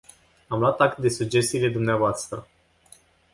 Am luat act de sugestiile dumneavoastră.